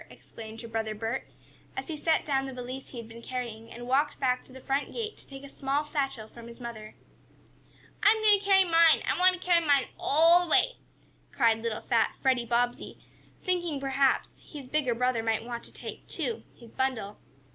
exclaimed her brother Bert, as he set down the valise he had been carrying, and walked back to the front gate to take a small satchel from his mother. "I'm going to carry mine! I want to carry mine all the way!" cried little fat Freddie Bobbsey, thinking perhaps his bigger brother might want to take, too, his bundle.